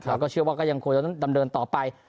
เราก็เชื่อว่าก็ยังควรจะตามเดินต่อไป